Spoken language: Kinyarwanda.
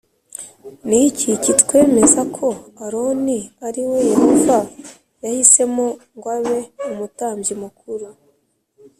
Ni iki kitwemeza ko aroni ari we yehova yahisemo ngo abe umutambyi mukuru